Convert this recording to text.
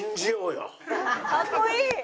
「かっこいい！」